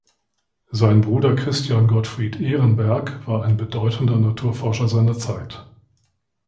Sein Bruder Christian Gottfried Ehrenberg war ein bedeutender Naturforscher seiner Zeit.